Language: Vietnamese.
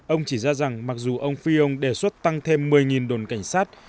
ông chỉ ra rằng mặc dù ông phi ông đề xuất tăng thêm một mươi đồn cảnh sát